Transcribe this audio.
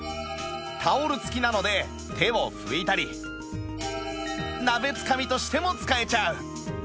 タオル付きなので手を拭いたり鍋つかみとしても使えちゃう